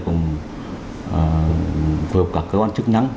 hội hợp các cơ quan chức năng